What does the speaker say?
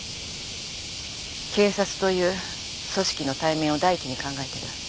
警察という組織の体面を第一に考えてる。